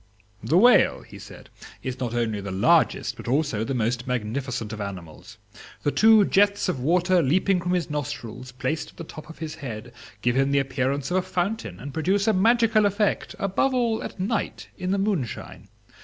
"The whale," he said, "is not only the largest, but also the most magnificent of animals; the two jets of water leaping from his nostrils, placed at the top of his head, give him the appearance of a fountain, and produce a magical effect, above all at night, in the moonshine.